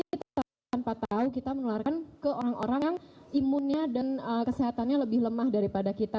kita tanpa tahu kita menularkan ke orang orang yang imunnya dan kesehatannya lebih lemah daripada kita